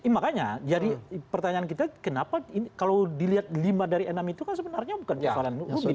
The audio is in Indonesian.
makanya jadi pertanyaan kita kenapa kalau dilihat lima dari enam itu kan sebenarnya bukan persoalan mungkin